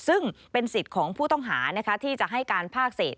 ซึ่งเป็นสิทธิ์ของผู้ต้องหาที่จะให้การภาคเศษ